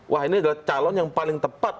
wah ini adalah calon yang paling tepat